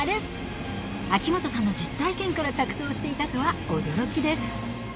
秋元さんの実体験から着想していたとは驚きです